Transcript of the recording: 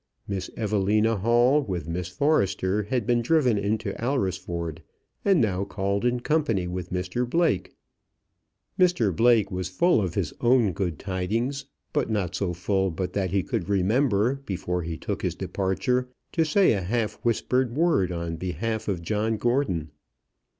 Miss Evelina Hall with Miss Forrester had been driven into Alresford, and now called in company with Mr Blake. Mr Blake was full of his own good tidings, but not so full but that he could remember, before he took his departure, to say a half whispered word on behalf of John Gordon.